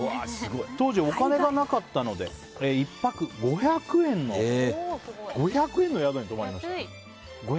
当時お金がなかったので１泊５００円の宿に泊まりました。